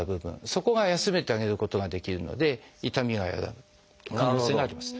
そこが休めてあげることができるので痛みが和らぐ可能性があります。